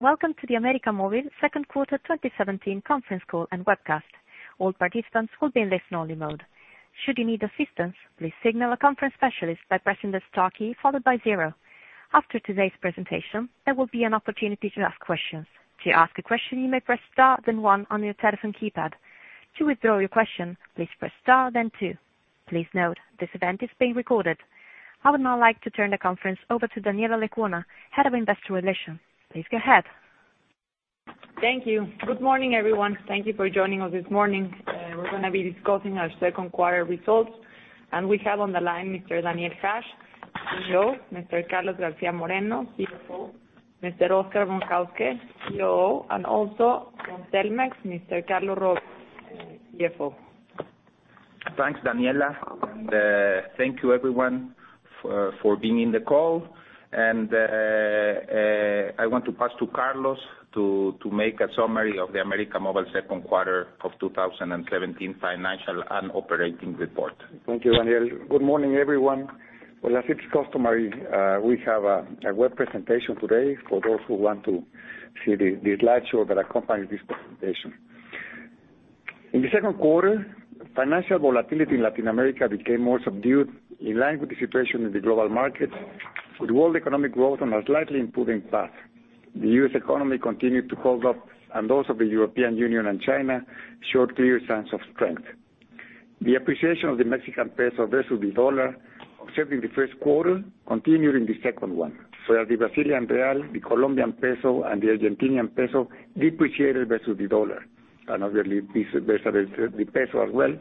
Welcome to the América Móvil second quarter 2017 conference call and webcast. All participants will be in listen only mode. Should you need assistance, please signal a conference specialist by pressing the star key followed by zero. After today's presentation, there will be an opportunity to ask questions. To ask a question, you may press star then one on your telephone keypad. To withdraw your question, please press star then two. Please note, this event is being recorded. I would now like to turn the conference over to Daniela Lecuona, Head of Investor Relations. Please go ahead. Thank you. Good morning, everyone. Thank you for joining us this morning. We're going to be discussing our second quarter results. We have on the line Mr. Daniel Hajj, CEO, Mr. Carlos García Moreno, CFO, Mr. Óscar Von Hauske, COO, and also from Telmex, Mr. Carlos Robles, CFO. Thanks, Daniela, and thank you everyone for being in the call. I want to pass to Carlos to make a summary of the América Móvil second quarter of 2017 financial and operating report. Thank you, Daniel. Good morning, everyone. Well, as is customary, we have a web presentation today for those who want to see the slideshow that accompanies this presentation. In the second quarter, financial volatility in Latin America became more subdued in line with the situation in the global market, with world economic growth on a slightly improving path. The U.S. economy continued to hold up, and those of the European Union and China showed clear signs of strength. The appreciation of the Mexican peso versus the dollar, observed in the first quarter, continued in the second one, where the Brazilian real, the Colombian peso, and the Argentinian peso depreciated versus the dollar. Obviously, versus the peso as well.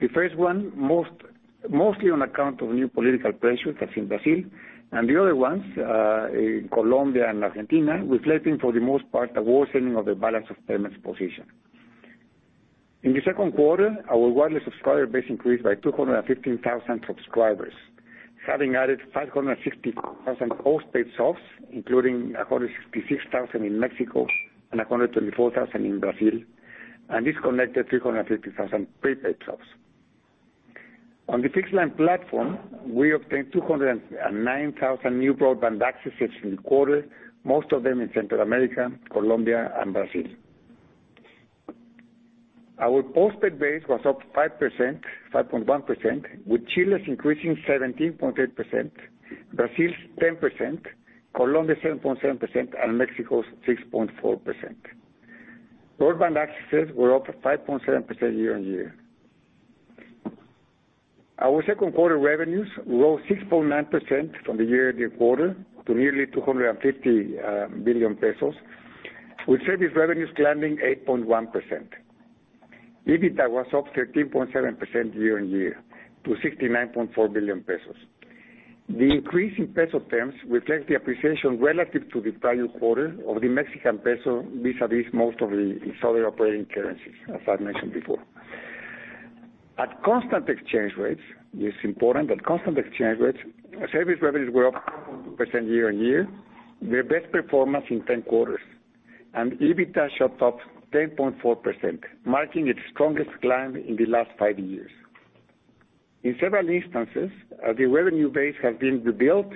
The first one, mostly on account of new political pressures, as in Brazil, and the other ones, in Colombia and Argentina, reflecting, for the most part, a worsening of the balance of payments position. In the second quarter, our wireless subscriber base increased by 215,000 subscribers, having added 560,000 postpaid subs, including 166,000 in Mexico and 124,000 in Brazil, and disconnected 350,000 prepaid subs. On the fixed line platform, we obtained 209,000 new broadband accesses in the quarter, most of them in Central America, Colombia, and Brazil. Our postpaid base was up 5.1%, with Chile's increasing 17.8%, Brazil's 10%, Colombia 7.7%, and Mexico's 6.4%. Broadband accesses were up 5.7% year-on-year. Our second quarter revenues rose 6.9% from the year of the quarter to nearly 250 billion pesos, with service revenues climbing 8.1%. EBITDA was up 13.7% year-on-year to 69.4 billion pesos. The increase in peso terms reflect the appreciation relative to the prior quarter of the Mexican peso vis-à-vis most of the other operating currencies, as I mentioned before. At constant exchange rates, this is important, at constant exchange rates, service revenues were up percent year-on-year, their best performance in 10 quarters, and EBITDA shot up 10.4%, marking its strongest climb in the last five years. In several instances, as the revenue base has been rebuilt,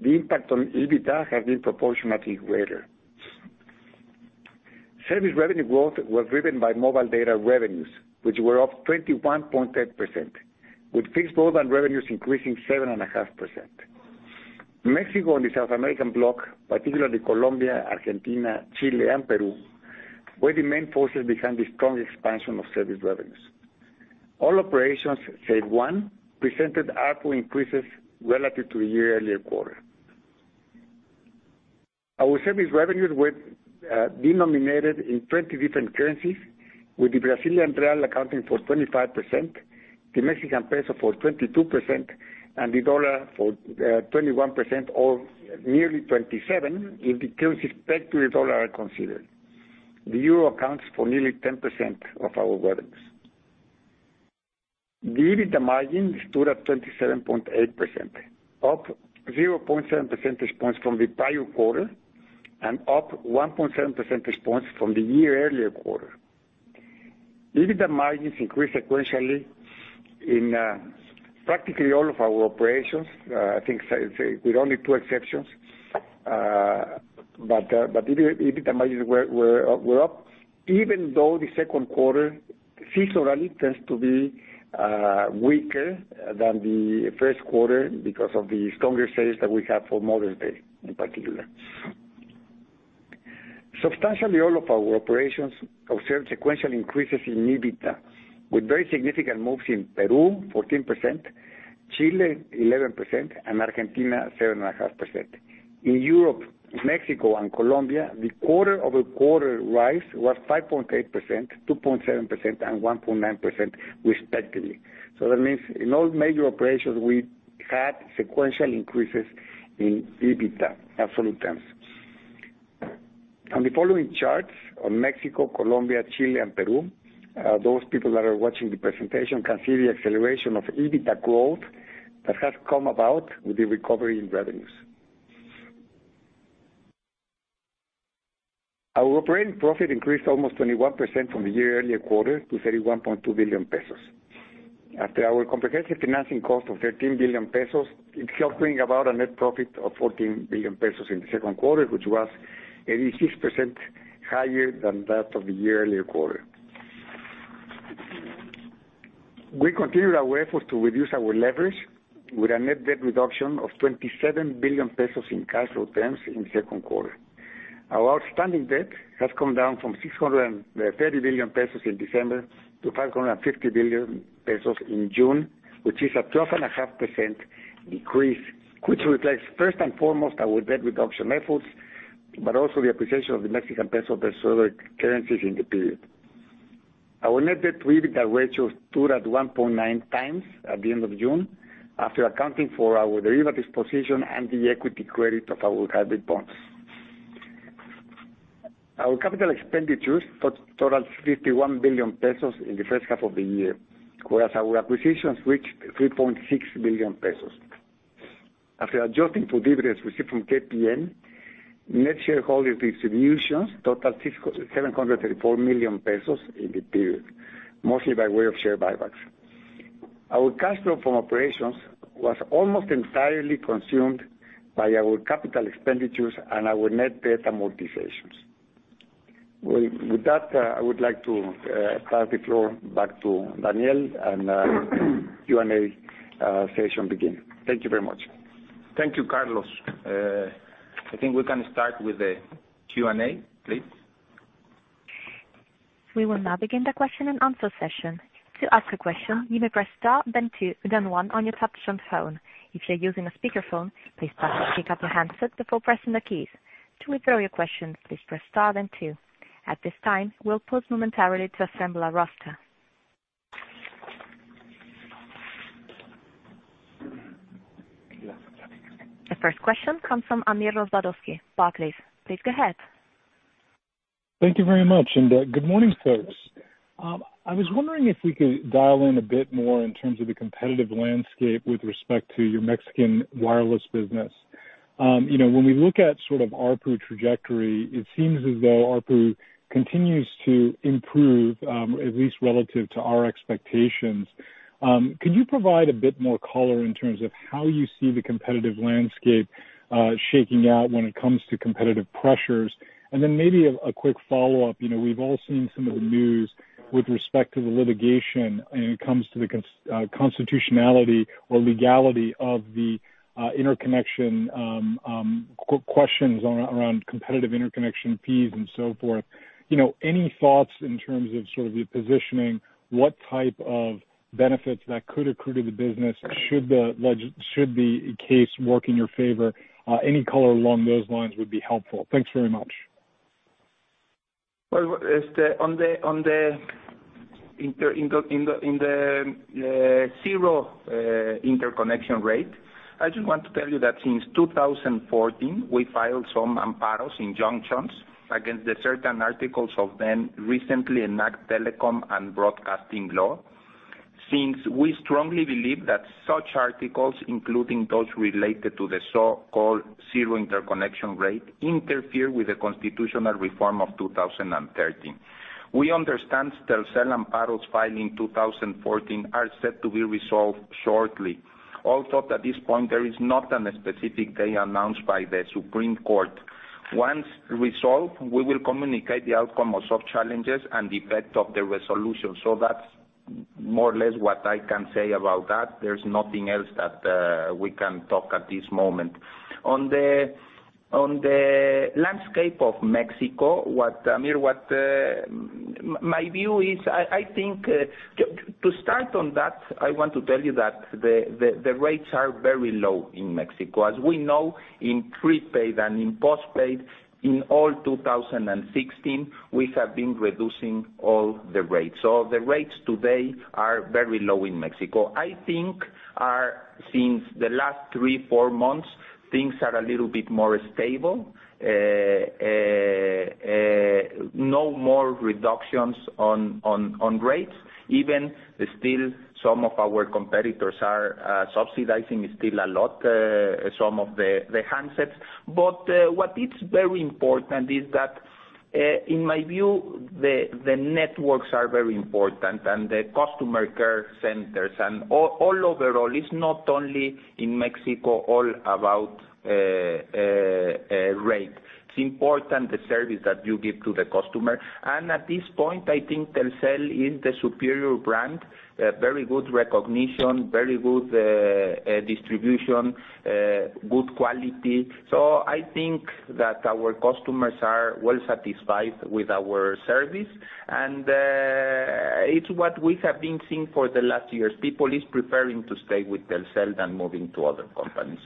the impact on EBITDA has been proportionately greater. Service revenue growth was driven by mobile data revenues, which were up 21.8%, with fixed broadband revenues increasing 7.5%. Mexico and the South American block, particularly Colombia, Argentina, Chile, and Peru, were the main forces behind the strong expansion of service revenues. All operations, save one, presented ARPU increases relative to the year-earlier quarter. Our service revenues were denominated in 20 different currencies, with the BRL accounting for 25%, the MXN for 22%, and the USD for 21% or nearly 27% if the currencies pegged to the USD are considered. The EUR accounts for nearly 10% of our revenues. The EBITDA margin stood at 27.8%, up 0.7 percentage points from the prior quarter and up 1.7 percentage points from the year-earlier quarter. EBITDA margins increased sequentially in practically all of our operations, I think with only two exceptions. EBITDA margins were up even though the second quarter seasonally tends to be weaker than the first quarter because of the stronger sales that we have for Mother's Day in particular. Substantially all of our operations observed sequential increases in EBITDA, with very significant moves in Peru, 14%, Chile, 11%, and Argentina, 7.5%. In Europe, Mexico, and Colombia, the quarter-over-quarter rise was 5.8%, 2.7%, and 1.9% respectively. That means in all major operations, we had sequential increases in EBITDA absolute terms. On the following charts on Mexico, Colombia, Chile, and Peru, those people that are watching the presentation can see the acceleration of EBITDA growth that has come about with the recovery in revenues. Our operating profit increased almost 21% from the year-earlier quarter to 31.2 billion pesos. After our comprehensive financing cost of 13 billion pesos, it is helping about a net profit of 14 billion pesos in the second quarter, which was 86% higher than that of the year earlier quarter. We continue our effort to reduce our leverage with a net debt reduction of 27 billion pesos in cash flow terms in second quarter. Our outstanding debt has come down from 630 billion pesos in December to 550 billion pesos in June, which is a 12.5% increase, which reflects first and foremost our debt reduction efforts, also the appreciation of the Mexican peso versus other currencies in the period. Our net debt to EBITDA ratio stood at 1.9 times at the end of June, after accounting for our derivatives position and the equity credit of our hybrid bonds. Our capital expenditures totaled 51 billion pesos in the first half of the year, whereas our acquisitions reached 3.6 billion pesos. After adjusting for dividends received from KPN, net shareholder distributions totaled 734 million pesos in the period, mostly by way of share buybacks. Our cash flow from operations was almost entirely consumed by our capital expenditures and our net debt amortizations. With that, I would like to pass the floor back to Daniel and the Q&A session begin. Thank you very much. Thank you, Carlos. I think we can start with the Q&A, please. We will now begin the question and answer session. To ask a question, you may press star, then two, then one on your touchtone phone. If you are using a speakerphone, please pick up your handset before pressing the keys. To withdraw your question, please press star then two. At this time, we will pause momentarily to assemble our roster. The first question comes from Amir Rozwadowski, Barclays. Please go ahead. Thank you very much, good morning, folks. I was wondering if we could dial in a bit more in terms of the competitive landscape with respect to your Mexican wireless business. When we look at sort of ARPU trajectory, it seems as though ARPU continues to improve, at least relative to our expectations. Could you provide a bit more color in terms of how you see the competitive landscape shaking out when it comes to competitive pressures? Maybe a quick follow-up. We've all seen some of the news with respect to the litigation when it comes to the constitutionality or legality of the interconnection questions around competitive interconnection fees and so forth. Any thoughts in terms of sort of your positioning, what type of benefits that could accrue to the business should the case work in your favor? Any color along those lines would be helpful. Thanks very much. On the zero interconnection rate, I just want to tell you that since 2014, we filed some amparos injunctions against the certain articles of then recently enacted Federal Telecommunications and Broadcasting Law. Since we strongly believe that such articles, including those related to the so-called zero interconnection rate, interfere with the constitutional reform of 2013. We understand Telcel amparos filed in 2014 are set to be resolved shortly. Although at this point, there is not a specific day announced by the Supreme Court. Once resolved, we will communicate the outcome of such challenges and the effect of the resolution. That's more or less what I can say about that. There's nothing else that we can talk at this moment. On the landscape of Mexico, Amir, what my view is, I think to start on that, I want to tell you that the rates are very low in Mexico. As we know, in prepaid and in postpaid in all 2016, we have been reducing all the rates. The rates today are very low in Mexico. I think since the last three, four months, things are a little bit more stable. No more reductions on rates. Even still, some of our competitors are subsidizing still a lot some of the handsets. What is very important is that, in my view, the networks are very important and the customer care centers, and all overall, it's not only in Mexico, all about rate. It's important the service that you give to the customer. At this point, I think Telcel is the superior brand. Very good recognition, very good distribution, good quality. I think that our customers are well satisfied with our service. It's what we have been seeing for the last years. People is preferring to stay with Telcel than moving to other companies.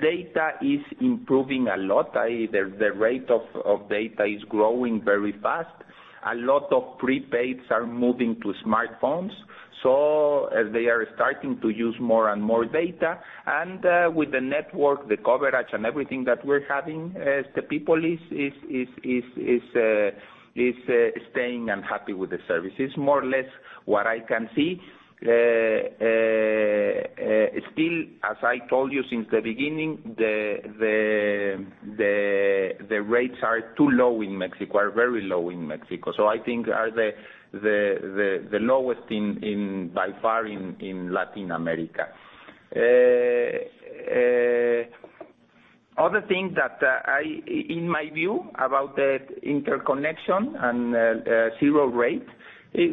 Data is improving a lot. The rate of data is growing very fast. A lot of prepaids are moving to smartphones, so they are starting to use more and more data. With the network, the coverage, and everything that we're having, the people is staying and happy with the service. It's more or less what I can see. Still, as I told you since the beginning, the rates are too low in Mexico, are very low in Mexico. I think are the lowest by far in Latin America. Other things that, in my view, about the interconnection and zero rate,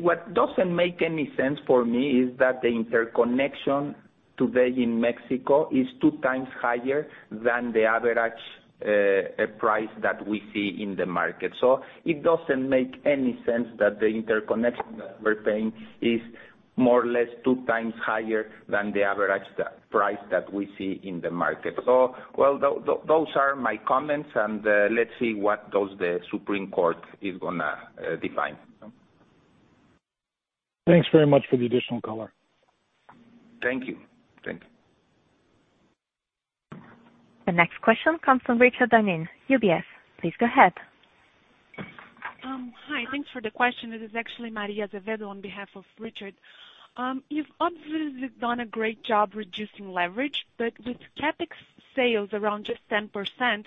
what doesn't make any sense for me is that the interconnection today in Mexico is two times higher than the average price that we see in the market. It doesn't make any sense that the interconnection that we're paying is more or less two times higher than the average price that we see in the market. Well, those are my comments, and let's see what does the Supreme Court is going to define. Thanks very much for the additional color. Thank you. The next question comes from Richard Dineen, UBS. Please go ahead. Hi. Thanks for the question. This is actually Maria Azevedo on behalf of Richard. You've obviously done a great job reducing leverage, but with CapEx sales around just 10%,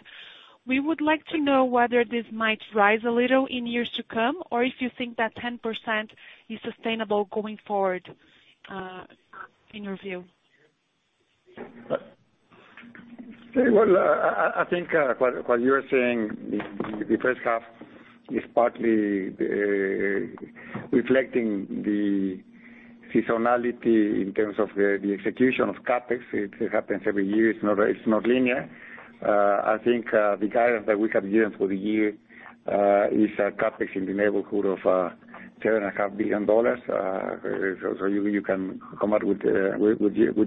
we would like to know whether this might rise a little in years to come, or if you think that 10% is sustainable going forward, in your view. Well, I think what you're saying, the first half is partly reflecting the seasonality in terms of the execution of CapEx. It happens every year. It's not linear. I think the guidance that we have given for the year is a CapEx in the neighborhood of USD [inaudible] billion. You can come out with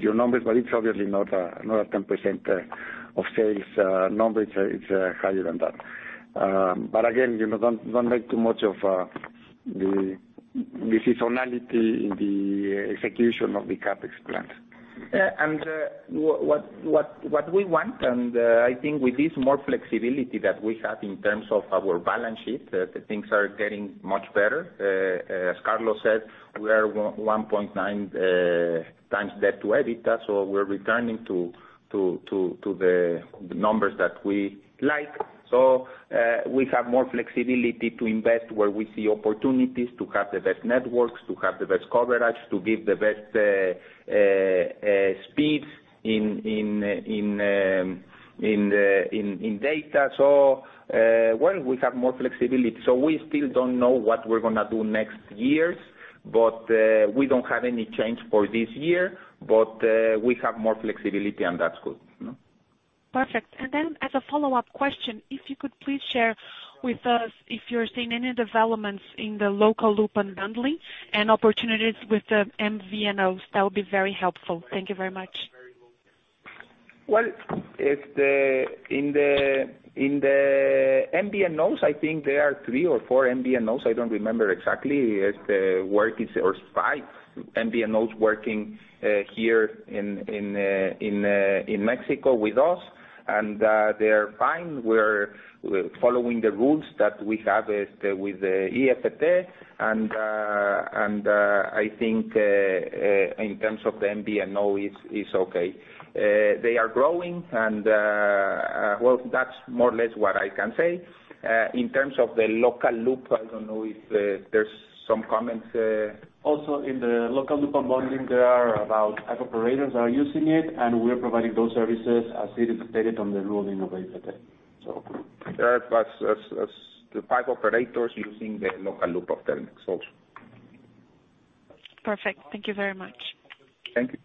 your numbers, but it's obviously not a 10% of sales number. It's higher than that. Again, don't make too much of the seasonality in the execution of the CapEx plans. What we want, and I think with this more flexibility that we have in terms of our balance sheet, things are getting much better. As Carlos said, we are 1.9 times debt to EBITDA, we're returning to the numbers that we like. We have more flexibility to invest where we see opportunities to have the best networks, to have the best coverage, to give the best speeds in data. Well, we have more flexibility. We still don't know what we're gonna do next years, we don't have any change for this year. We have more flexibility, and that's good. Perfect. Then as a follow-up question, if you could please share with us if you're seeing any developments in the local loop unbundling and opportunities with the MVNOs. That would be very helpful. Thank you very much. Well, in the MVNOs, I think there are three or four MVNOs, I don't remember exactly, or five MVNOs working here in Mexico with us. They're fine. We're following the rules that we have with the IFT. I think, in terms of the MVNO, it's okay. They are growing and, well, that's more or less what I can say. In terms of the local loop, I don't know if there's some comments. Also, in the local loop unbundling, there are about five operators are using it, we're providing those services as it is stated on the ruling of IFT. There are five operators using the local loop of Telmex also. Perfect. Thank you very much. Thank you.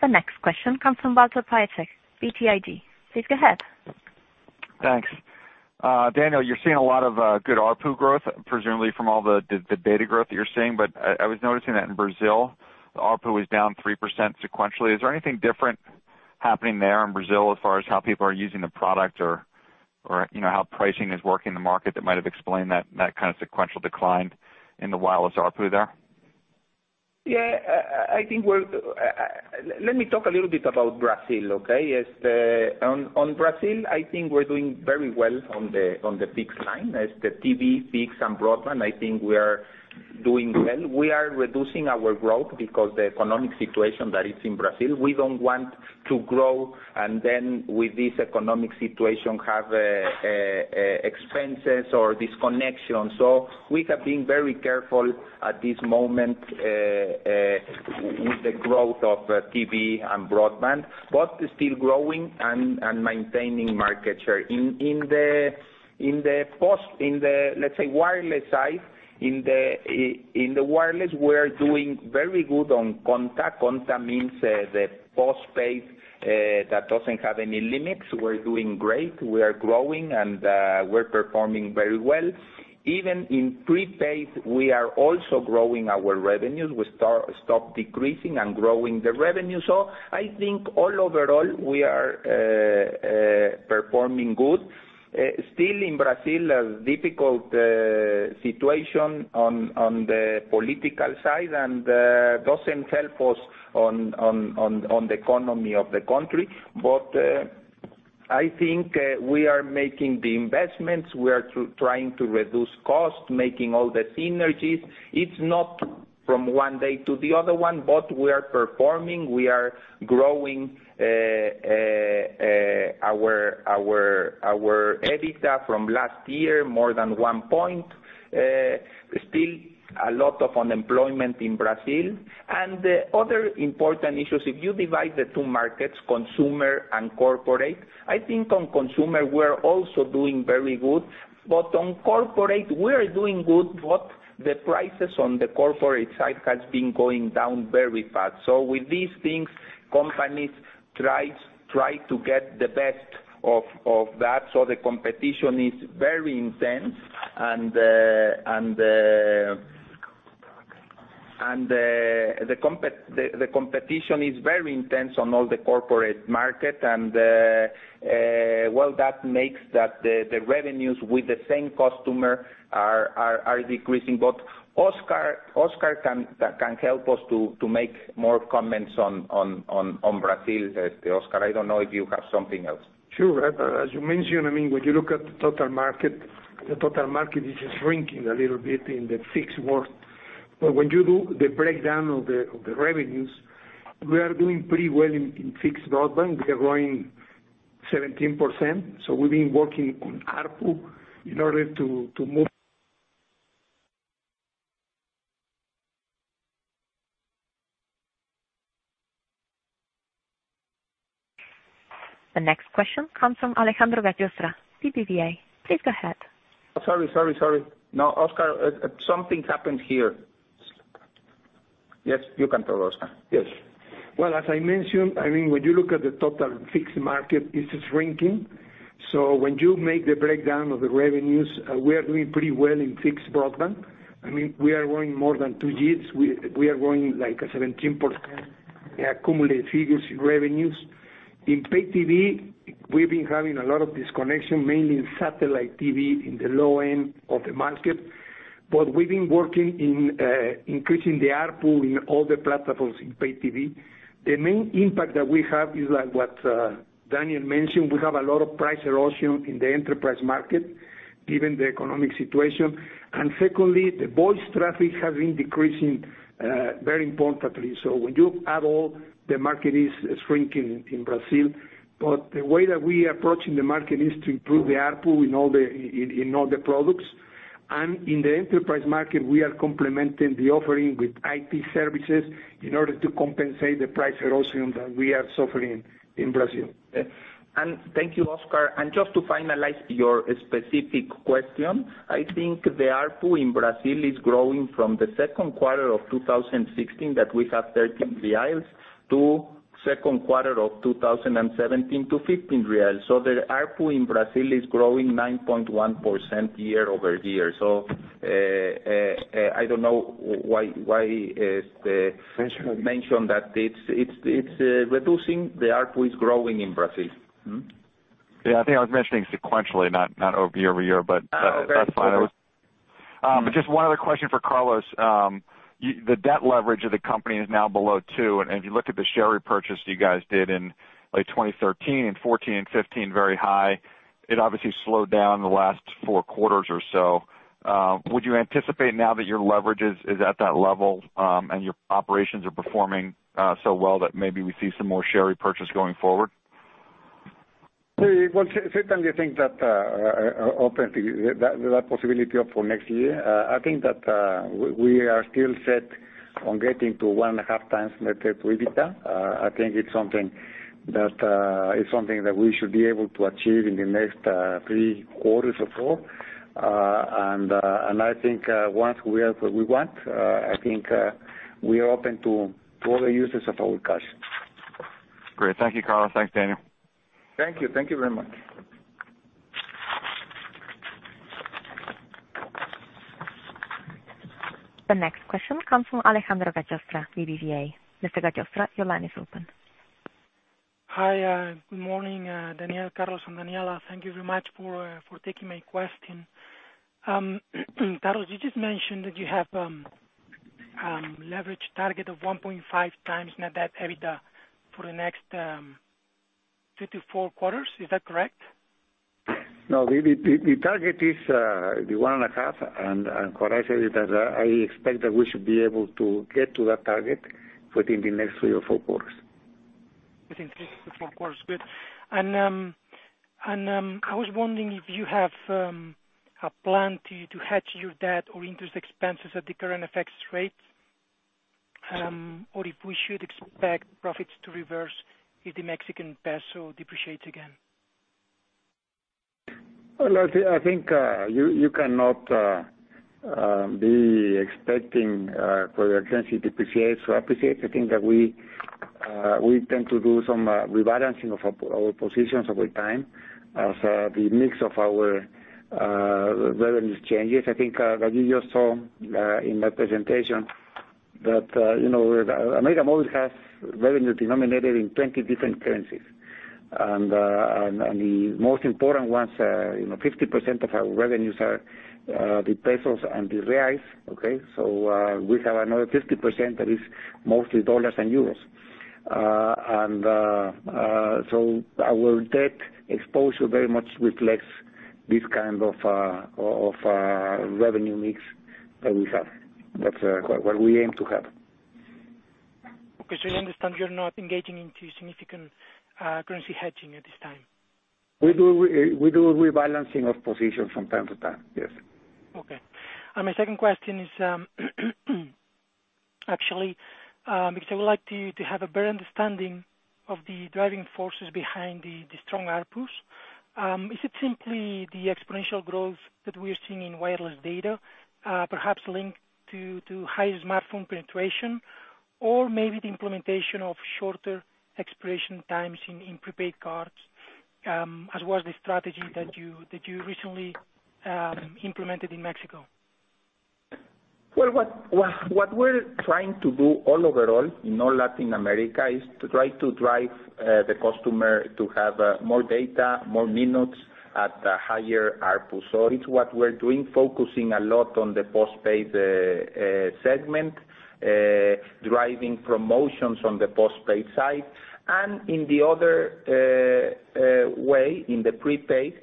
The next question comes from Walter Piecyk, BTIG. Please go ahead. Thanks. Daniel, you're seeing a lot of good ARPU growth, presumably from all the data growth that you're seeing. I was noticing that in Brazil, the ARPU was down 3% sequentially. Is there anything different happening there in Brazil as far as how people are using the product or how pricing is working in the market that might have explained that kind of sequential decline in the wireless ARPU there? Yeah. Let me talk a little bit about Brazil, okay? On Brazil, I think we're doing very well on the fixed line. As the Pay TV, fixed, and broadband, I think we are doing well. We are reducing our growth because the economic situation that is in Brazil, we don't want to grow, and then with this economic situation, have expenses or disconnections. We have been very careful at this moment with the growth of Pay TV and broadband, but still growing and maintaining market share. In the, let's say, wireless side, in the wireless, we are doing very good on controle. Conta means the postpaid that doesn't have any limits. We're doing great. We are growing, and we're performing very well. Even in prepaid, we are also growing our revenues. We stopped decreasing and growing the revenue. I think all overall, we are performing good. Still in Brazil, a difficult situation on the political side, and doesn't help us on the economy of the country. I think we are making the investments. We are trying to reduce costs, making all the synergies. It's not from one day to the other one, but we are performing. We are growing our EBITDA from last year more than 1 point. Still a lot of unemployment in Brazil. The other important issue is if you divide the two markets, consumer and corporate, I think on consumer, we're also doing very good. On corporate, we are doing good, but the prices on the corporate side have been going down very fast. With these things, companies try to get the best of that, so the competition is very intense and the competition is very intense on all the corporate market, and well, that makes that the revenues with the same customer are decreasing. Óscar can help us to make more comments on Brazil. Óscar, I don't know if you have something else. Sure. As you mentioned, when you look at the total market, the total market is shrinking a little bit in the fixed world. When you do the breakdown of the revenues, we are doing pretty well in fixed broadband. We are growing 17%, so we've been working on ARPU in order to move- The next question comes from Alejandro Gallostra, BBVA. Please go ahead. Sorry. Óscar, something happened here. Yes, you can talk, Óscar. As I mentioned, when you look at the total fixed market, it is shrinking. When you make the breakdown of the revenues, we are doing pretty well in fixed broadband. We are growing more than two years. We are growing like 17% accumulated figures in revenues. In Pay TV, we've been having a lot of disconnection, mainly in satellite TV in the low end of the market. We've been working in increasing the ARPU in all the platforms in Pay TV. The main impact that we have is like what Daniel Hajj mentioned, we have a lot of price erosion in the enterprise market, given the economic situation. Secondly, the voice traffic has been decreasing very importantly. When you add it all, the market is shrinking in Brazil. The way that we are approaching the market is to improve the ARPU in all the products. In the enterprise market, we are complementing the offering with IT services in order to compensate the price erosion that we are suffering in Brazil. Thank you, Óscar. Just to finalize your specific question, I think the ARPU in Brazil is growing from the second quarter of 2016 that we have 13 reais to second quarter of 2017 to 15 reais. The ARPU in Brazil is growing 9.1% year-over-year. I don't know why is the- Mentioned mentioned that it's reducing. The ARPU is growing in Brazil. I think I was mentioning sequentially, not over year-over-year, that's fine. Okay. Just one other question for Carlos. The debt leverage of the company is now below two, and if you look at the share repurchase you guys did in 2013 and 2014 and 2015, very high. It obviously slowed down in the last four quarters or so. Would you anticipate now that your leverage is at that level and your operations are performing so well that maybe we see some more share repurchase going forward? Well, certainly, I think that open to that possibility for next year. I think that we are still set on getting to one and a half times net debt to EBITDA. I think it's something that we should be able to achieve in the next three quarters or so. I think once we have what we want, I think we are open to other uses of our cash. Great. Thank you, Carlos. Thanks, Daniel. Thank you. Thank you very much. The next question comes from Alejandro Gallostra, BBVA. Mr. Gallostra, your line is open. Hi. Good morning, Daniel, Carlos, and Daniela. Thank you very much for taking my question. Carlos, you just mentioned that you have leverage target of 1.5 times net debt EBITDA for the next two to four quarters. Is that correct? No, the target is the one and a half, what I said is that I expect that we should be able to get to that target within the next three or four quarters. Within three to four quarters. Good. I was wondering if you have a plan to hedge your debt or interest expenses at the current FX rates? If we should expect profits to reverse if the Mexican peso depreciates again? Well, I think you cannot be expecting currency to depreciate to appreciate. I think that we tend to do some rebalancing of our positions over time as the mix of our revenues changes. I think that you just saw in my presentation that América Móvil has revenue denominated in 20 different currencies. The most important ones, 50% of our revenues are the pesos and the reals, okay? We have another 50% that is mostly dollars and euros. Our debt exposure very much reflects This kind of revenue mix that we have, that we aim to have. Okay. I understand you're not engaging into significant currency hedging at this time. We do rebalancing of positions from time to time. Yes. Okay. My second question is actually, because I would like to have a better understanding of the driving forces behind the strong ARPU. Is it simply the exponential growth that we are seeing in wireless data, perhaps linked to higher smartphone penetration, or maybe the implementation of shorter expiration times in prepaid cards, as was the strategy that you recently implemented in Mexico? What we're trying to do all over Latin America is to try to drive the customer to have more data, more minutes at a higher ARPU. It's what we're doing, focusing a lot on the postpaid segment, driving promotions on the postpaid side and in the other way, in the prepaid,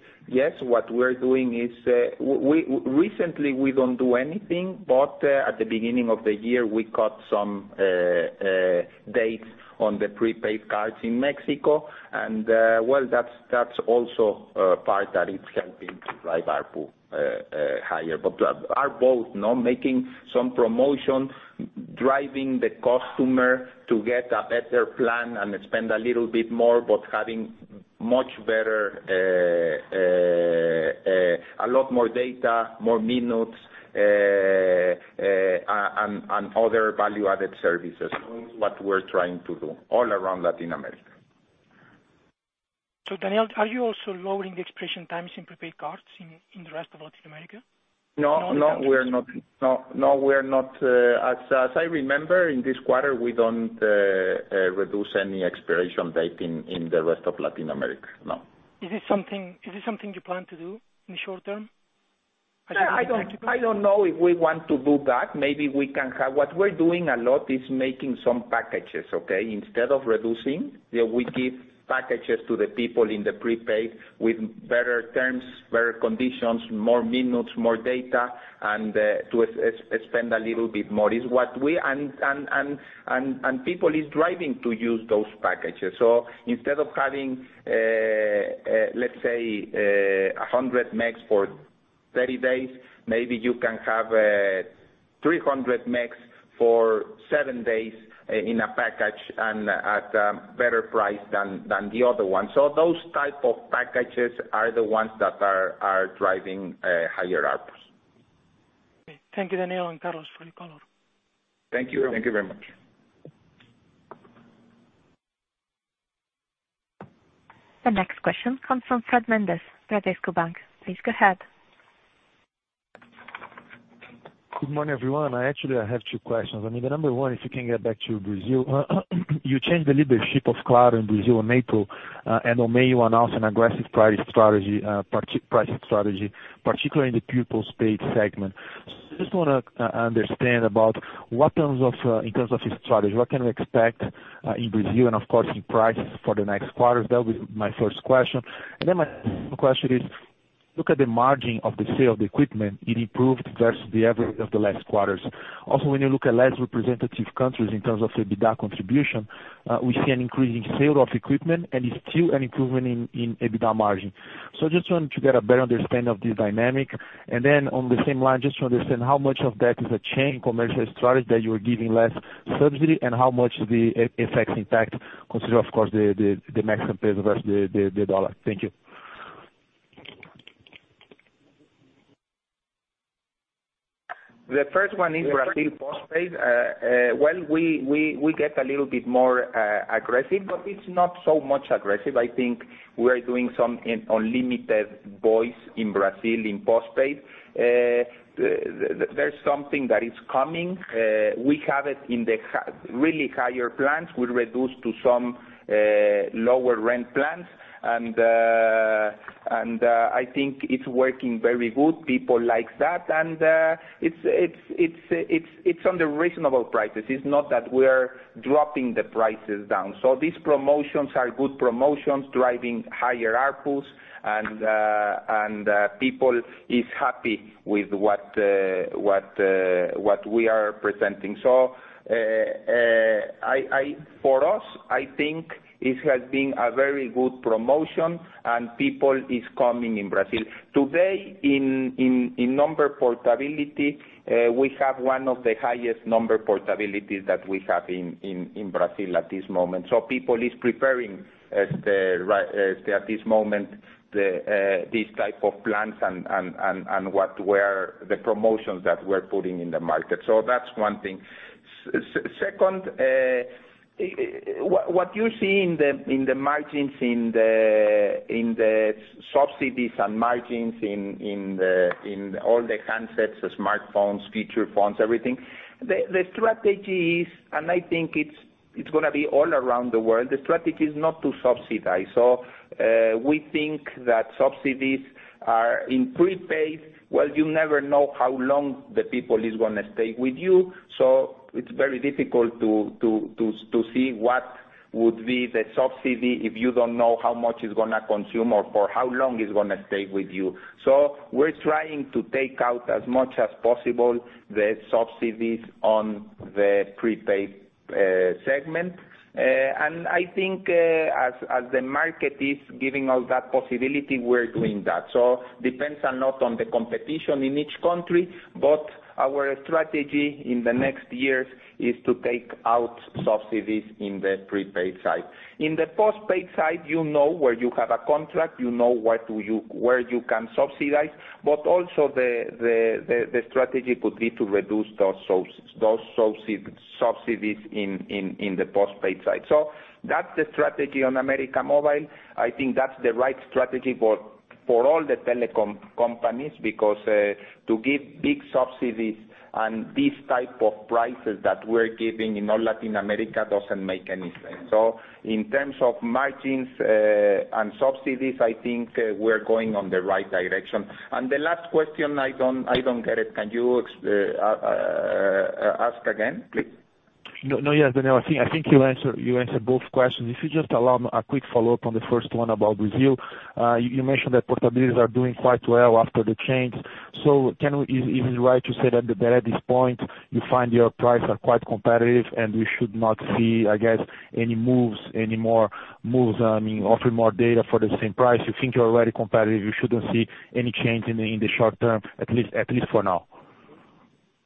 what we're doing is. Recently, we don't do anything, but at the beginning of the year, we cut some data on the prepaid cards in Mexico. Well, that's also a part that is helping to drive ARPU higher. Are both now making some promotion, driving the customer to get a better plan and spend a little bit more, but having much better, a lot more data, more minutes, and other value-added services. That's what we're trying to do all around Latin America. Daniel, are you also lowering the expiration times in prepaid cards in the rest of Latin America? No, we're not. As I remember, in this quarter, we don't reduce any expiration date in the rest of Latin America. No. Is this something you plan to do in the short term? I don't know if we want to do that. What we're doing a lot is making some packages, okay? Instead of reducing, we give packages to the people in the prepaid with better terms, better conditions, more minutes, more data, and to spend a little bit more. People is driving to use those packages. Instead of having, let's say, 100 megs for 30 days, maybe you can have 300 megs for seven days in a package and at a better price than the other one. Those type of packages are the ones that are driving higher ARPU. Okay. Thank you, Daniel and Carlos, for the call. Thank you. Thank you very much. The next question comes from Fred Mendes, Banco Bradesco. Please go ahead. Good morning, everyone. Actually, I have two questions. Number one, if you can get back to Brazil, you changed the leadership of Claro in Brazil in April, and on May you announced an aggressive pricing strategy, particularly in the prepaid segment. I just want to understand about in terms of your strategy, what can we expect in Brazil and of course in prices for the next quarter? That would be my first question. My second question is, look at the margin of the sale of the equipment, it improved versus the average of the last quarters. Also, when you look at less representative countries in terms of the EBITDA contribution, we see an increase in sale of equipment and still an improvement in EBITDA margin. Just want to get a better understanding of the dynamic. On the same line, just to understand how much of that is a change in commercial strategy that you are giving less subsidy, and how much the effects impact consider, of course, the Mexican peso versus the dollar. Thank you. The first one is Brazil postpaid. Well, we get a little bit more aggressive, but it's not so much aggressive. I think we are doing some unlimited voice in Brazil in postpaid. There's something that is coming. We have it in the really higher plans. We reduce to some lower rent plans, and I think it's working very good. People like that, and it's on the reasonable prices. It's not that we're dropping the prices down. These promotions are good promotions, driving higher ARPUs, and people is happy with what we are presenting. For us, I think it has been a very good promotion and people is coming in Brazil. Today, in number portability, we have one of the highest number portabilities that we have in Brazil at this moment. People is preferring, at this moment, these type of plans and the promotions that we're putting in the market. That's one thing. Second, what you see in the subsidies and margins in all the handsets, the smartphones, feature phones, everything, the strategy is, and I think it's going to be all around the world, the strategy is not to subsidize. We think that subsidies are in prepaid. Well, you never know how long the people is going to stay with you, so it's very difficult to see Would be the subsidy if you don't know how much it's going to consume or for how long it's going to stay with you. We're trying to take out as much as possible the subsidies on the prepaid segment. I think as the market is giving us that possibility, we're doing that. Depends a lot on the competition in each country, but our strategy in the next years is to take out subsidies in the prepaid side. In the postpaid side, you know where you have a contract, you know where you can subsidize, but also the strategy would be to reduce those subsidies in the postpaid side. That's the strategy on América Móvil. I think that's the right strategy for all the telecom companies, because to give big subsidies and this type of prices that we're giving in all Latin America doesn't make any sense. In terms of margins and subsidies, I think we're going on the right direction. The last question, I don't get it. Can you ask again, please? Yes, Daniel, I think you answered both questions. If you just allow a quick follow-up on the first one about Brazil. You mentioned that portabilities are doing quite well after the change. Is it right to say that at this point you find your price are quite competitive and we should not see, I guess, any more moves, offering more data for the same price? You think you're already competitive, you shouldn't see any change in the short term, at least for now?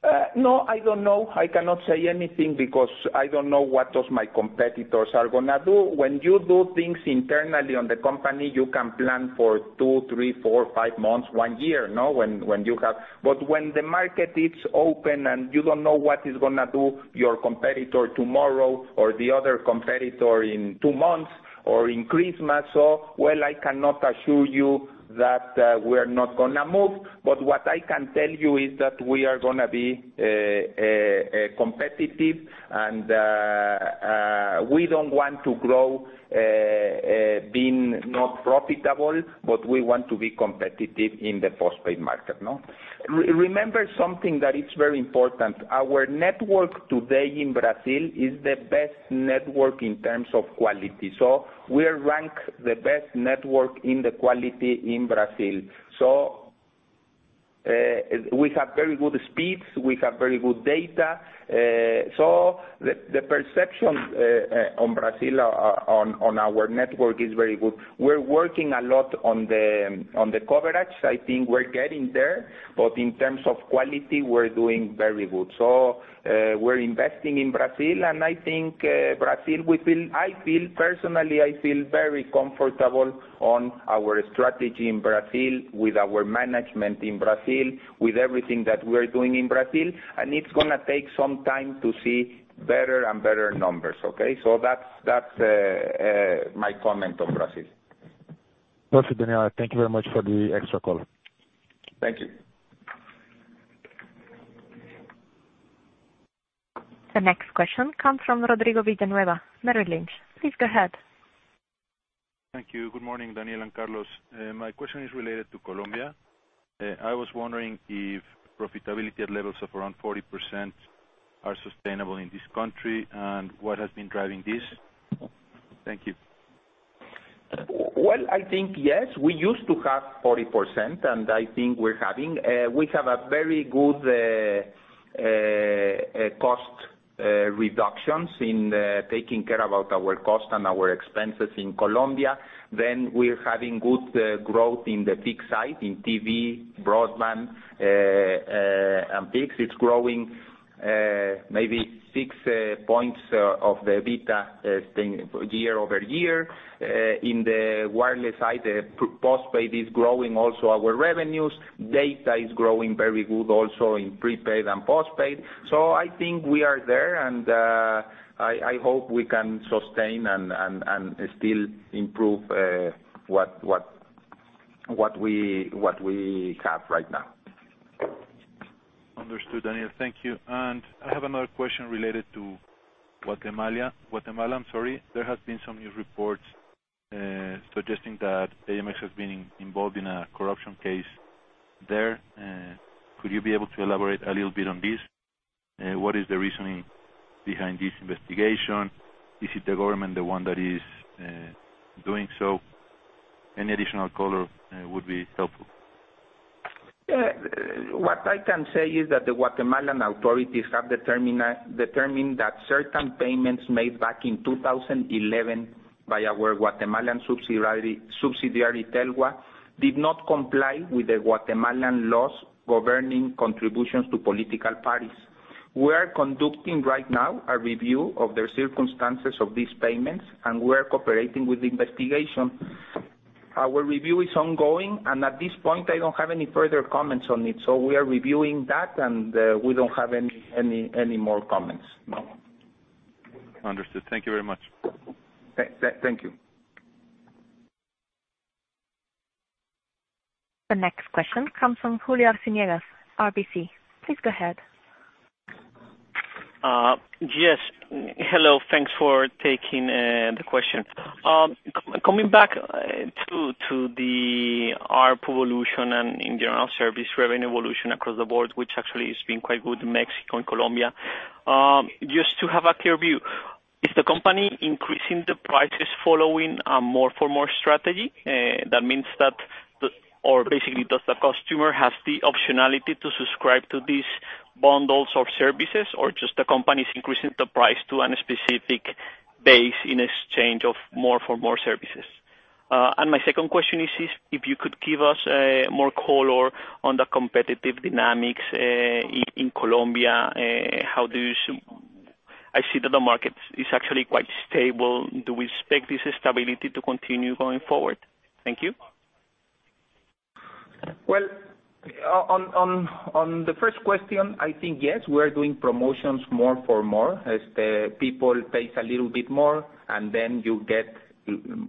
I don't know. I cannot say anything because I don't know what those my competitors are gonna do. When you do things internally on the company, you can plan for two, three, four, five months, one year, when you have. When the market is open and you don't know what is going to do your competitor tomorrow or the other competitor in two months or increase mass or, well, I cannot assure you that we're not gonna move, but what I can tell you is that we are gonna be competitive and we don't want to grow being not profitable, but we want to be competitive in the postpaid market. Remember something that is very important. Our network today in Brazil is the best network in terms of quality. We are ranked the best network in the quality in Brazil. We have very good speeds, we have very good data. The perception on Brazil on our network is very good. We're working a lot on the coverage. I think we're getting there, but in terms of quality, we're doing very good. We're investing in Brazil, and I feel personally, I feel very comfortable on our strategy in Brazil with our management in Brazil, with everything that we're doing in Brazil, and it's going to take some time to see better and better numbers, okay. That's my comment on Brazil. Awesome, Daniel. Thank you very much for the extra call. Thank you. The next question comes from Rodrigo Villanueva, Merrill Lynch. Please go ahead. Thank you. Good morning, Daniel and Carlos. My question is related to Colombia. I was wondering if profitability at levels of around 40% are sustainable in this country, and what has been driving this? Thank you. Well, I think, yes, we used to have 40%. We have a very good cost reductions in taking care about our cost and our expenses in Colombia. We're having good growth in the fixed side, in TV, broadband, and fixed. It's growing maybe six points of the EBITDA year-over-year. In the wireless side, the postpaid is growing also our revenues. Data is growing very good also in prepaid and postpaid. I think we are there, and I hope we can sustain and still improve what we have right now. Understood, Daniel. Thank you. I have another question related to Guatemala. There has been some news reports suggesting that AMX has been involved in a corruption case there. Could you be able to elaborate a little bit on this? What is the reasoning behind this investigation? Is it the government the one that is doing so? Any additional color would be helpful. What I can say is that the Guatemalan authorities have determined that certain payments made back in 2011 by our Guatemalan subsidiary, Telgua, did not comply with the Guatemalan laws governing contributions to political parties. We are conducting right now a review of the circumstances of these payments, and we are cooperating with the investigation. Our review is ongoing, and at this point, I don't have any further comments on it. We are reviewing that, and we don't have any more comments. No. Understood. Thank you very much. Thank you. The next question comes from Julio Arciniegas, RBC. Please go ahead. Yes. Hello. Thanks for taking the question. Coming back to the ARPU evolution and in general service revenue evolution across the board, which actually has been quite good in Mexico and Colombia. Just to have a clear view, is the company increasing the prices following a more for more strategy? Basically, does the customer have the optionality to subscribe to these bundles of services, or just the company's increasing the price to any specific base in exchange of more for more services? My second question is if you could give us more color on the competitive dynamics in Colombia. I see that the market is actually quite stable. Do we expect this stability to continue going forward? Thank you. Well, on the first question, I think, yes, we are doing promotions more for more, as the people pays a little bit more and then you get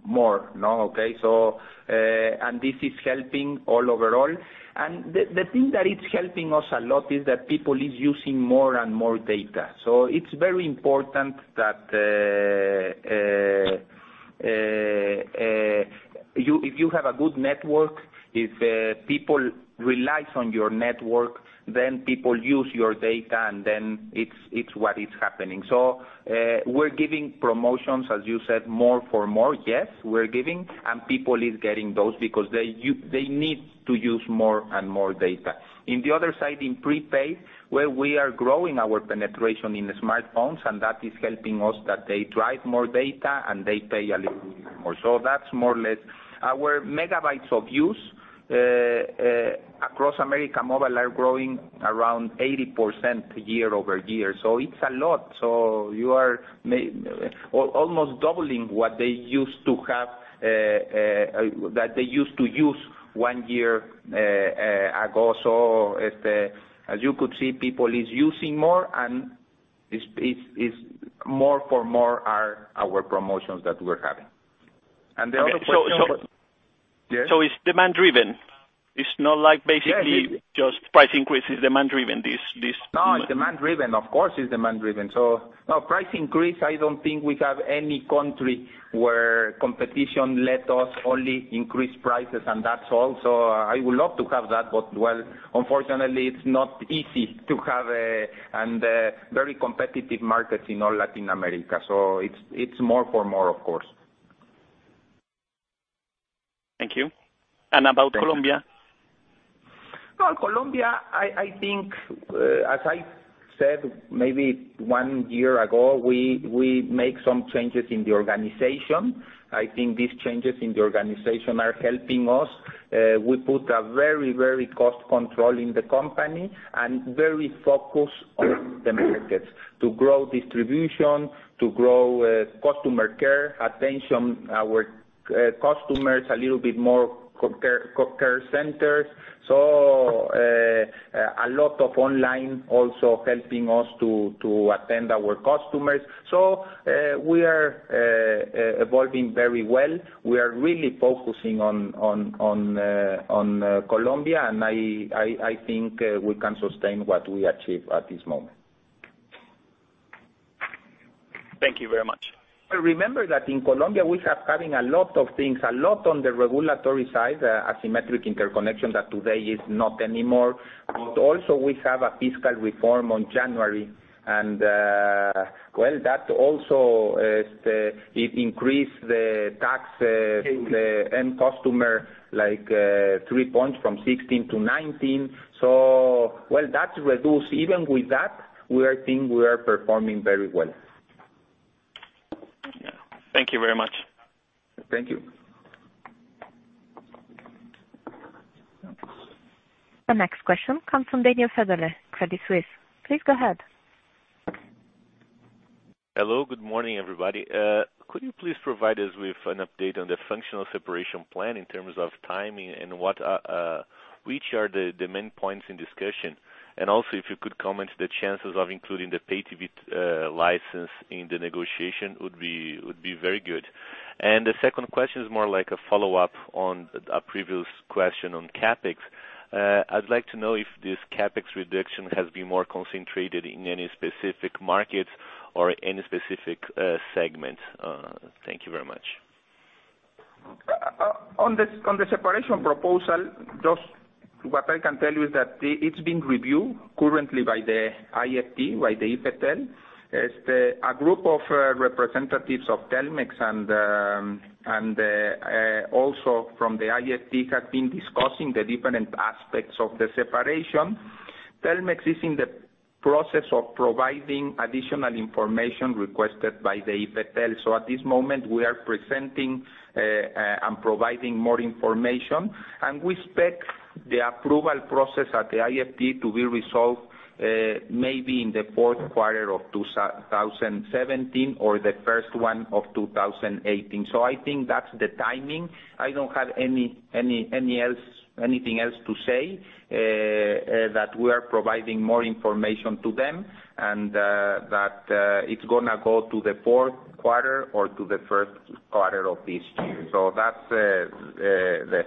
more. This is helping all overall. The thing that is helping us a lot is that people is using more and more data. It's very important that if you have a good network, if people relies on your network, then people use your data, and then it's what is happening. We're giving promotions, as you said, more for more. Yes, we're giving, and people is getting those because they need to use more and more data. In the other side, in prepaid, where we are growing our penetration in the smartphones, and that is helping us that they drive more data and they pay a little bit more. That's more or less our megabytes of use, across América Móvil are growing around 80% year-over-year. It's a lot. You are almost doubling what they used to use one year ago. As you could see, people are using more, and more for more are our promotions that we're having. The other question was. It's demand driven. It's not just price increase. It's demand driven, this. No, it's demand driven. Of course, it's demand driven. Price increase, I don't think we have any country where competition let us only increase prices and that's all. I would love to have that, but unfortunately, it's not easy to have, and very competitive markets in all Latin America. It's more for more, of course. Thank you. About Colombia? Well, Colombia, I think, as I said, maybe one year ago, we make some changes in the organization. I think these changes in the organization are helping us. We put a very cost control in the company and very focused on the markets to grow distribution, to grow customer care, attention our customers a little bit more care centers. A lot of online also helping us to attend our customers. We are evolving very well. We are really focusing on Colombia, and I think we can sustain what we achieve at this moment. Thank you very much. Remember that in Colombia, we have having a lot of things, a lot on the regulatory side, asymmetric interconnection that today is not anymore. Also we have a fiscal reform on January, and, well, that also it increased the tax to the end customer like 3 points from 16% to 19%. Well, that reduce even with that, we are think we are performing very well. Yeah. Thank you very much. Thank you. The next question comes from Daniel Federle, Credit Suisse. Please go ahead. Hello. Good morning, everybody. Could you please provide us with an update on the functional separation plan in terms of timing and which are the main points in discussion? Also, if you could comment the chances of including the Pay TV license in the negotiation would be very good. The second question is more like a follow-up on a previous question on CapEx. I'd like to know if this CapEx reduction has been more concentrated in any specific markets or any specific segment. Thank you very much. On the separation proposal, just what I can tell you is that it's been reviewed currently by the IFT, by the IFT. A group of representatives of Telmex and also from the IFT have been discussing the different aspects of the separation. Telmex is in the process of providing additional information requested by the IFT. At this moment, we are presenting and providing more information, we expect the approval process at the IFT to be resolved, maybe in the fourth quarter of 2017 or the first one of 2018. I think that's the timing. I don't have anything else to say, that we are providing more information to them it's going to go to the fourth quarter or to the first quarter of this year. That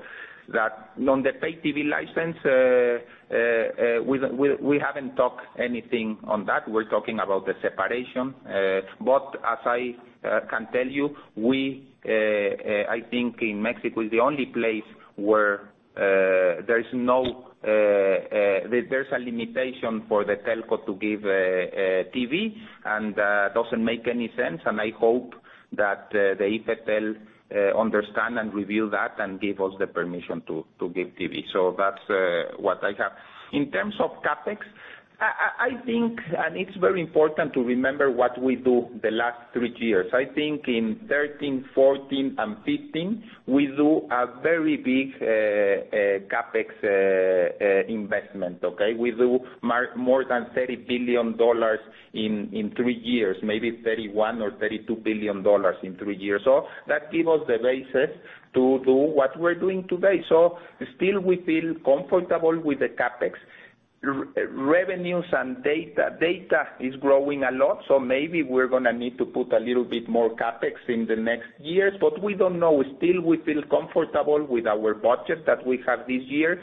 on the Pay TV license, we haven't talked anything on that. We're talking about the separation. As I can tell you, I think in Mexico is the only place where there's a limitation for the telco to give TV, and it doesn't make any sense. I hope that the IFT understand and review that and give us the permission to give TV. That's what I have. In terms of CapEx, it's very important to remember what we do the last three years. In 2013, 2014, and 2015, we do a very big CapEx investment. Okay? We do more than 30 billion dollars in three years, maybe 31 billion or 32 billion dollars in three years. That give us the basis to do what we're doing today. Still we feel comfortable with the CapEx. Revenues and data. Data is growing a lot, maybe we're going to need to put a little bit more CapEx in the next years, but we don't know. Still, we feel comfortable with our budget that we have this year.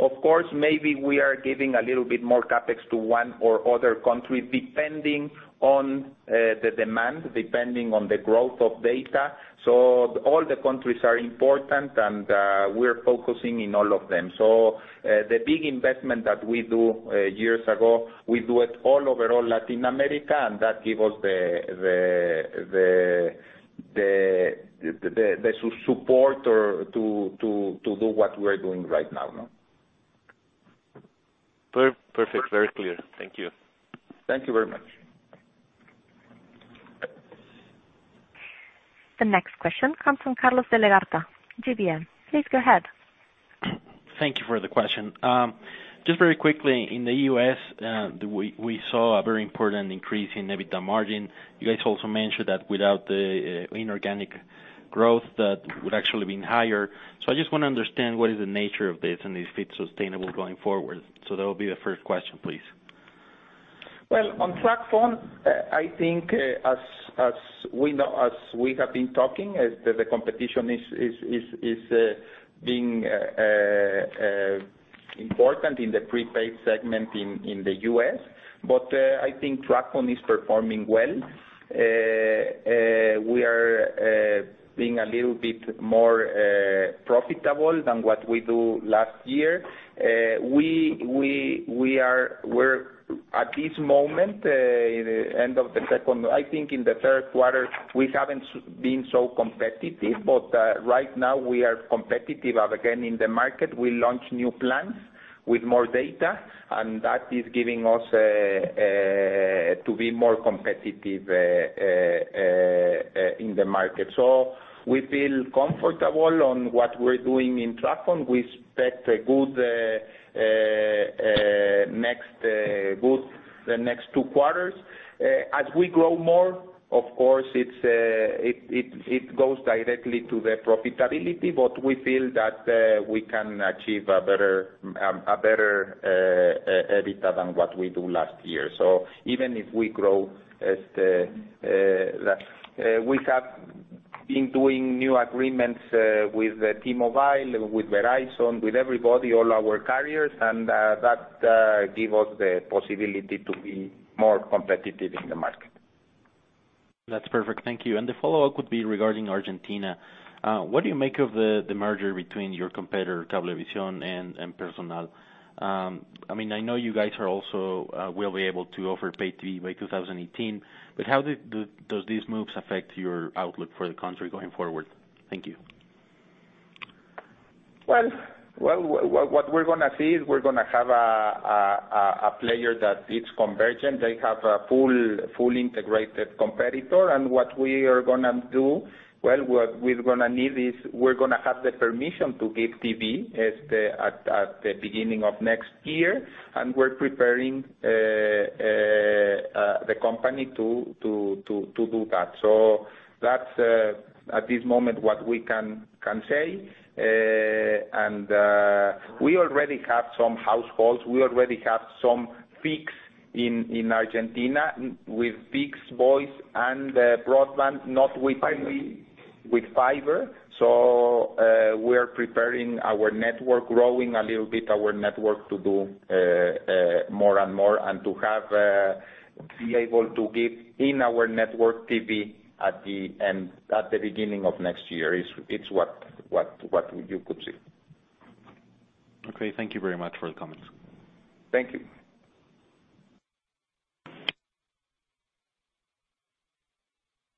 Of course, maybe we are giving a little bit more CapEx to one or other country, depending on the demand, depending on the growth of data. All the countries are important and we're focusing in all of them. The big investment that we do years ago, we do it all over all Latin America, and that give us the support to do what we're doing right now. Perfect. Very clear. Thank you. Thank you very much. The next question comes from Carlos de la Garza, GBM. Please go ahead. Thank you for the question. Just very quickly, in the U.S., we saw a very important increase in EBITDA margin. You guys also mentioned that without the inorganic growth, that would actually been higher. I just want to understand what is the nature of this and if it's sustainable going forward. That will be the first question, please. Well, on TracFone, I think as we have been talking, the competition is being important in the prepaid segment in the U.S. I think TracFone is performing well. We are being a little bit more profitable than what we do last year. At this moment, end of the second, I think in the third quarter, we haven't been so competitive, right now we are competitive again in the market. We launch new plans with more data, that is giving us to be more competitive in the market. We feel comfortable on what we're doing in TracFone. We expect a good next 2 quarters. As we grow more, of course, it goes directly to the profitability, we feel that we can achieve a better EBITDA than what we do last year. Even if we grow, we have been doing new agreements with T-Mobile, with Verizon, with everybody, all our carriers, that give us the possibility to be more competitive in the market. That's perfect. Thank you. The follow-up would be regarding Argentina. What do you make of the merger between your competitor, Cablevisión and Personal? I know you guys also will be able to offer Pay TV by 2018, how does these moves affect your outlook for the country going forward? Thank you. Well, what we're going to see is we're going to have a player that is convergent. They have a fully integrated competitor. What we are going to do, well, what we're going to need is we're going to have the permission to give TV at the beginning of next year, and we're preparing the company to do that. That's at this moment what we can say. We already have some households, we already have some fixed in Argentina, with fixed voice and broadband, not with fiber. We are preparing our network, growing a little bit our network to do more and more, and to be able to give in our network TV at the beginning of next year. It's what you could see. Okay. Thank you very much for the comments.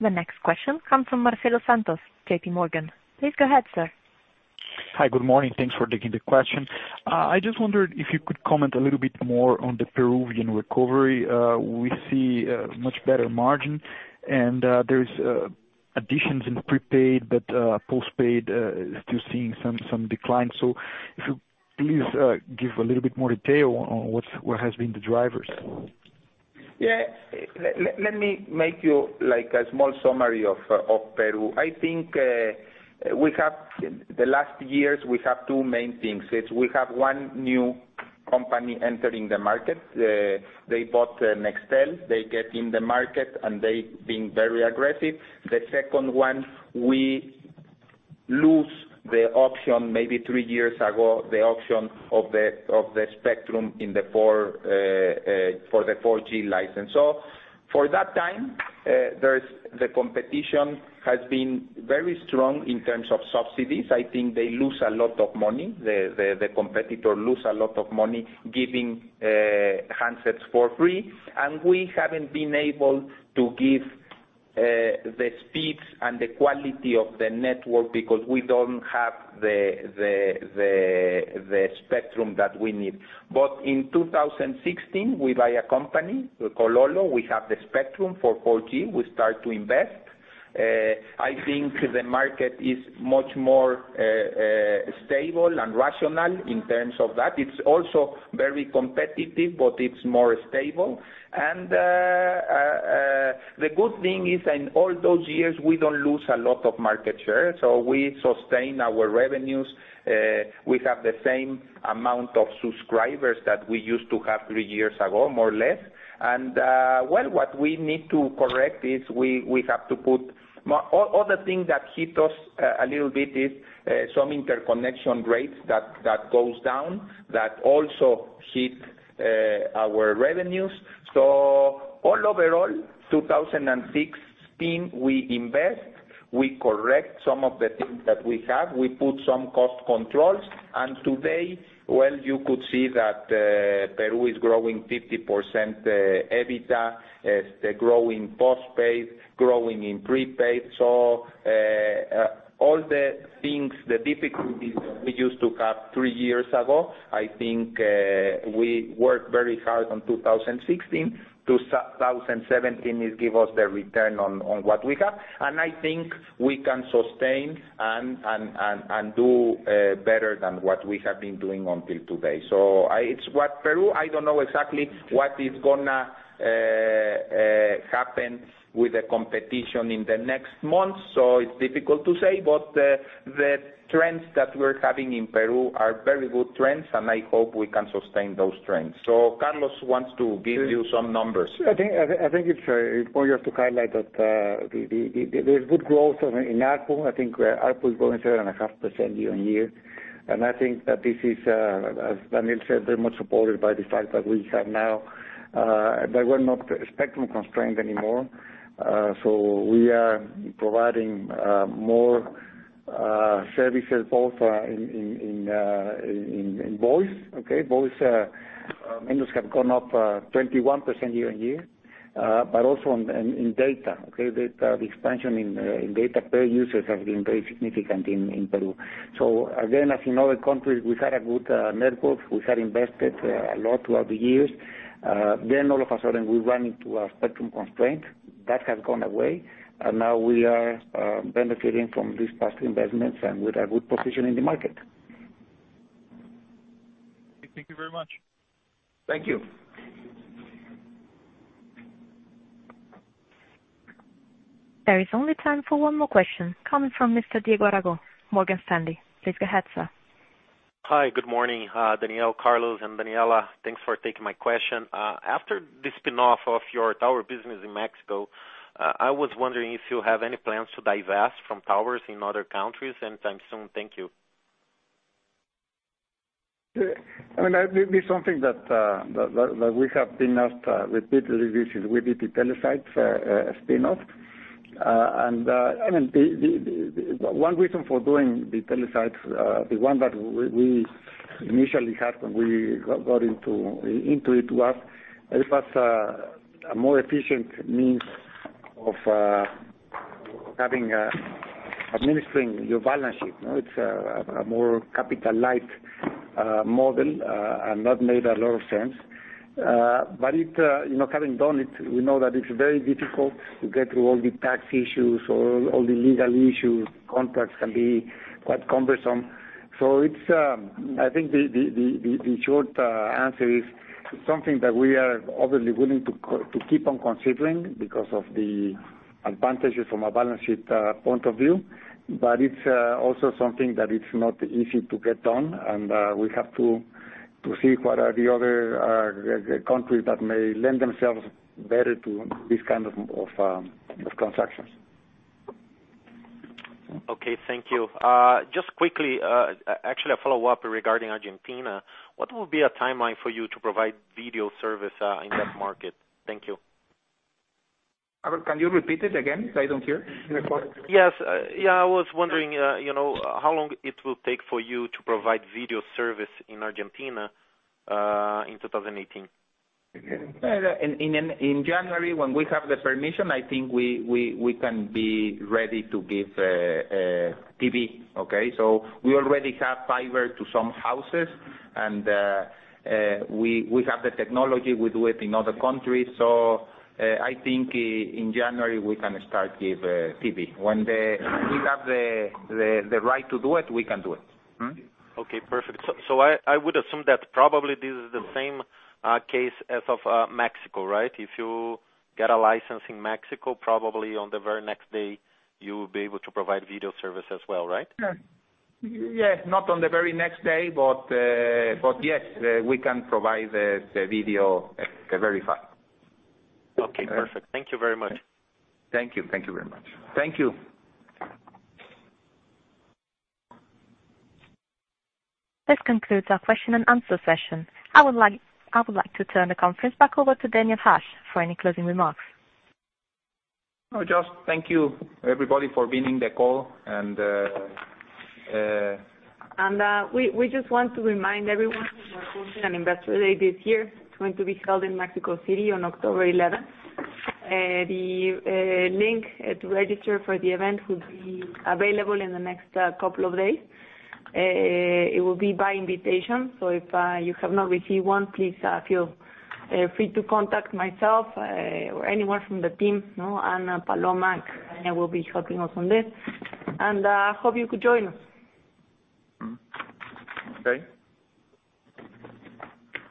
Thank you. The next question comes from Marcelo Santos, JP Morgan. Please go ahead, sir. Hi. Good morning. Thanks for taking the question. I just wondered if you could comment a little bit more on the Peruvian recovery. We see a much better margin, and there's additions in prepaid, but postpaid is still seeing some decline. If you please give a little bit more detail on what has been the drivers. Yeah. Let me make you a small summary of Peru. I think the last years, we have two main things. It's we have one new company entering the market. They bought Nextel, they get in the market, and they've been very aggressive. The second one, we lose the auction maybe three years ago, the auction of the spectrum for the 4G license. For that time, the competition has been very strong in terms of subsidies. I think they lose a lot of money. The competitor lose a lot of money giving handsets for free. We haven't been able to give the speeds and the quality of the network because we don't have the spectrum that we need. In 2016, we buy a company, Kololo. We have the spectrum for 4G. We start to invest. I think the market is much more stable and rational in terms of that. It's also very competitive, but it's more stable. The good thing is, in all those years, we don't lose a lot of market share. We sustain our revenues. We have the same amount of subscribers that we used to have three years ago, more or less. Other thing that hit us a little bit is some interconnection rates that goes down, that also hit our revenues. All overall, 2016, we invest, we correct some of the things that we have, we put some cost controls. And today, well, you could see that Peru is growing 50% EBITDA, it's growing post-paid, growing in pre-paid. All the things, the difficulties that we used to have three years ago, I think we work very hard on 2016. 2017 has give us the return on what we have. I think we can sustain and do better than what we have been doing until today. It's what Peru, I don't know exactly what is gonna happen with the competition in the next months, so it's difficult to say. The trends that we're having in Peru are very good trends, and I hope we can sustain those trends. Carlos wants to give you some numbers. I think it's important to highlight that there's good growth in ARPU. I think ARPU is growing 7.5% year-on-year. I think that this is, as Daniel said, very much supported by the fact that we're not spectrum constrained anymore. We are providing more services both in voice. Okay, voice minutes have gone up 21% year-on-year. Also in data, okay? The expansion in data per users has been very significant in Peru. Again, as in other countries, we had a good network. We had invested a lot throughout the years. All of a sudden, we run into a spectrum constraint. That has gone away, and now we are benefiting from these past investments, and we're at good position in the market. Thank you very much. Thank you. There is only time for one more question, coming from Mr. Diego Aragon, Morgan Stanley. Please go ahead, sir. Hi, good morning, Daniel, Carlos, and Daniela. Thanks for taking my question. After the spinoff of your tower business in Mexico, I was wondering if you have any plans to divest from towers in other countries anytime soon. Thank you. I mean, this something that we have been asked repeatedly, which is with the Telesites spinoff. I mean, one reason for doing the Telesites, the one that we initially had when we got into it was it was a more efficient means of administering your balance sheet. It's a more capital light model, and that made a lot of sense. Having done it, we know that it's very difficult to get through all the tax issues or all the legal issues. Contracts can be quite cumbersome. I think the short answer is it's something that we are obviously willing to keep on considering because of the advantages from a balance sheet point of view. It's also something that is not easy to get done, and we have to see what are the other countries that may lend themselves better to these kind of transactions. Okay, thank you. Just quickly, actually a follow-up regarding Argentina. What will be a timeline for you to provide video service in that market? Thank you. Can you repeat it again? I don't hear. Yes. I was wondering how long it will take for you to provide video service in Argentina in 2018. In January, when we have the permission, I think we can be ready to give TV, okay? We already have fiber to some houses, and we have the technology. We do it in other countries. I think in January, we can start give TV. When we have the right to do it, we can do it. Okay, perfect. I would assume that probably this is the same case as of Mexico, right? If you get a license in Mexico, probably on the very next day, you'll be able to provide video service as well, right? Yeah. Not on the very next day, but yes, we can provide the video very fast. Okay, perfect. Thank you very much. Thank you. Thank you very much. Thank you. This concludes our question and answer session. I would like to turn the conference back over to Daniel Hajj for any closing remarks. Just thank you, everybody, for being in the call. We just want to remind everyone we are holding an Investor Day this year. It's going to be held in Mexico City on October 11th. The link to register for the event will be available in the next couple of days. It will be by invitation. If you have not received one, please feel free to contact myself or anyone from the team. Paloma will be helping us on this. Hope you could join us. Okay.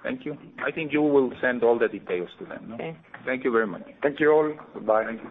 Thank you. I think you will send all the details to them, no? Okay. Thank you very much. Thank you all. Goodbye. Thank you.